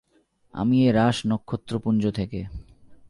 আমি এ রাস নক্ষত্রপুঞ্জ থেকে।